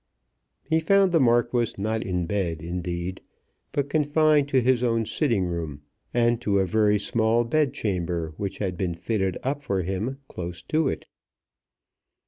He found the Marquis not in bed indeed, but confined to his own sitting room, and to a very small bed chamber which had been fitted up for him close to it.